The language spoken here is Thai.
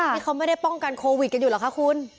นี่เขาไม่ได้ป้องกันโควิดกันอยู่เหรอคะคุณ